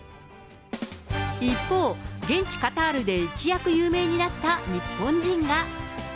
一方、現地カタールで一躍有名になった日本人が。